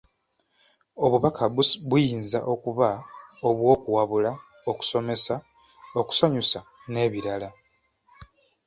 Obubaka buyinza okuba obw'okuwabula, okusomesa, okusanyusa n'ebirala.